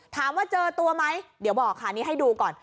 ถามว่าเจอตัวไหมเดี๋ยวบอกค่ะนี่ให้ดูก่อน